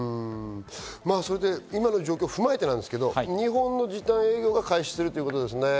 今の状況を踏まえてですけど、日本の時短営業が解除するということですね。